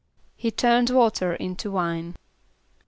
=He turned water into wine.